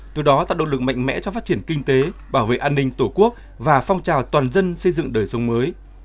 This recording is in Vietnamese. từ đó tạo động lực mạnh mẽ cho phát triển kinh tế bảo vệ an ninh tổ quốc và phong trào toàn dân xây dựng đời sống mới